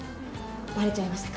ばれちゃいましたか。